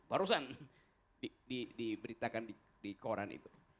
barusan diberitakan di koran itu